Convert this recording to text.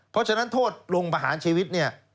เพราะฉะนั้นโทษลงประหารชีวิตเนี่ย